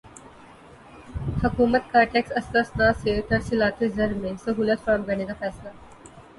حکومت کا ٹیکس استثنی سے ترسیلات زر میں سہولت فراہم کرنے کا فیصلہ